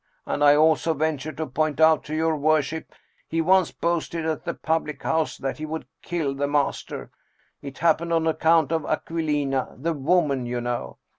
And I also venture to point out to your worship, he once boasted at the public house that he would kill the mas ter! It happened on account of Aquilina, the woman, you know.